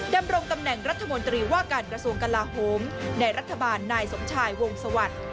ดำรงตำแหน่งรัฐมนตรีว่าการกระทรวงกลาโฮมในรัฐบาลนายสมชายวงสวัสดิ์